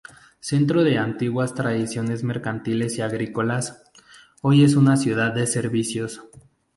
Centro de antiguas tradiciones mercantiles y agrícolas, hoy es una ciudad de servicios.